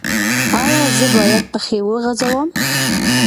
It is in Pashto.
ایا زه باید پښې وغځوم؟